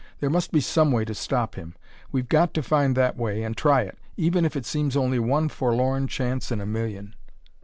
There must be some way to stop him. We've got to find that way and try it even if it seems only one forlorn chance in a million."